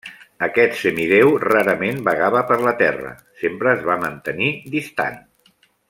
Aquest semidéu rarament vagava per la Terra; sempre es va mantenir distant.